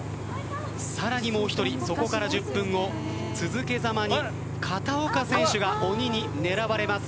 更にもう１人そこから１０分後、続けざまに片岡選手が鬼に狙われます。